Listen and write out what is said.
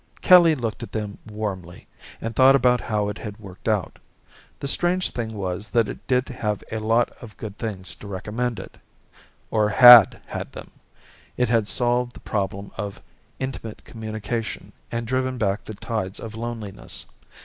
Kelly looked at them warmly and thought about how it had worked out. The strange thing was that it did have a lot of good things to recommend it. Or had had them. It had solved the problem of intimate communication and driven back the tides of loneliness.